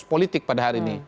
politik pada hari ini